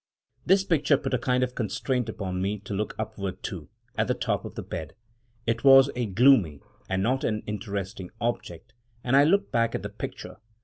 This picture put a kind of constraint upon me to look upward too — at the top of the bed. It was a gloomy and not an interesting object, and I looked back at the picture.